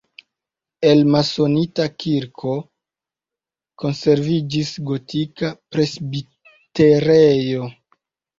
El masonita kirko konserviĝis gotika presbiterejo.